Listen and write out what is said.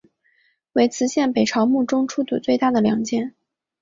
为磁县北朝墓中出土最大的两件。